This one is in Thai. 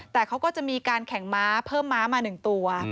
แต่เขาก็จะมีการแข่งม้าเพิ่มม้ามา๑ตัว